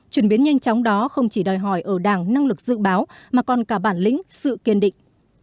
chuyển biến nhanh chóng đó không chỉ đòi hỏi ở đảng năng lực dự báo mà còn cả bản lĩnh sự kiên định